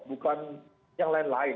bukan yang lain lain